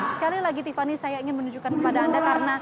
sekali lagi tiffany saya ingin menunjukkan kepada anda karena